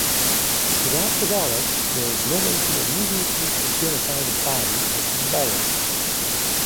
Without the wallet, there is no way to immediately identify the body as Bullard.